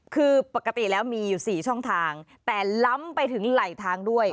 คือปกติแล้วมีอยู่๔ช่องทางแต่ล้ำไปถึงไหลทางด้วย